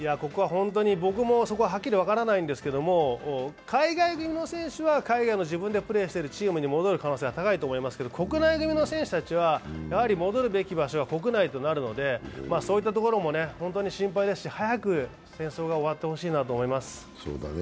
僕もそこははっきり分からないんですが、海外組の選手は海外で自分がプレーしているチームに帰ると思いますが国内組の選手たちは戻るべき場所は国内となるのでそういったところも本当に心配ですし、早く戦争が終わってほしいなと思います。